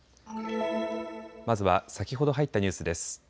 まずは先ほど入ったニュースです。